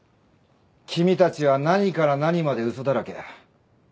君たちは何から何まで嘘だらけだ。